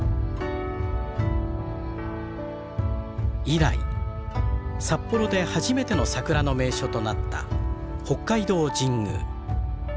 以来札幌で初めての桜の名所となった北海道神宮。